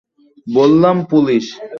বললাম, পুলিশ!